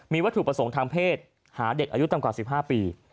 มีวัตถุประสงค์ทางเพศหาเด็กอายุต่ำกว่า๑๕ปี